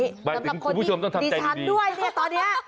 สำหรับคนดีชัดด้วยตอนนี้